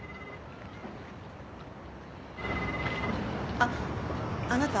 あっあなた？